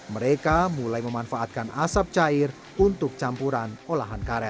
mereka mulai memanfaatkan asap cair untuk campuran olahan karet